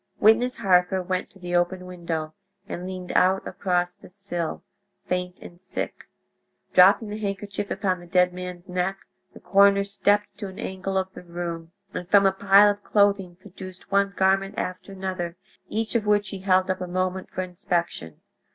Witness Harker went to the open window and leaned out across the sill, faint and sick. Dropping the handkerchief upon the dead man's neck, the coroner stepped to an angle of the room, and from a pile of clothing produced one garment after another, each of which he held up a moment for inspection.